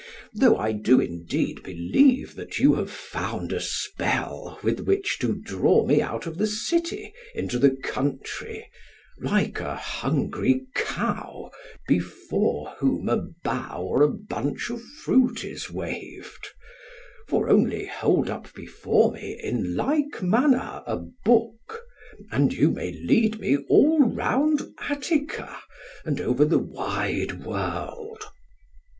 Though I do indeed believe that you have found a spell with which to draw me out of the city into the country, like a hungry cow before whom a bough or a bunch of fruit is waved. For only hold up before me in like manner a book, and you may lead me all round Attica, and over the wide world.